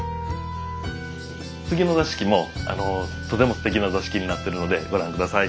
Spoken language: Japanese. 次の座敷もとてもすてきな座敷になってるのでご覧ください。